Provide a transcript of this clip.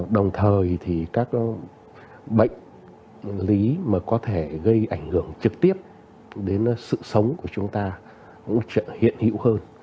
đồng thời thì các bệnh lý mà có thể gây ảnh hưởng trực tiếp đến sự sống của chúng ta cũng hiện hữu hơn